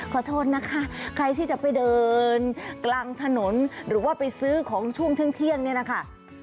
ขอโทษนะคะใครที่จะไปเดินกลางถนนหรือว่าไปซื้อของช่วงเที่ยงเนี่ยนะคะ